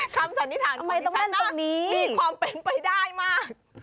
คำสันนิษฐานของดิสันน่ะมีความเป็นไปได้มากเอาไว้ตรงนั้นตรงนี้